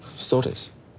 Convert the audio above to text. そうです。